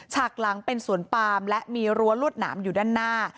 ฉากหลังเป็นสวนปามและมีรั้วลวดหนามอยู่ด้านหน้า